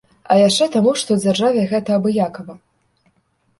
А яшчэ таму, што дзяржаве гэта абыякава.